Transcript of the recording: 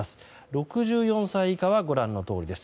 ６４歳以下はご覧のとおりです。